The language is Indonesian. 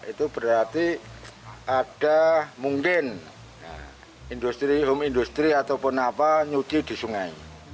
itu berarti ada mungkin industri home industry ataupun apa nyuci di sungai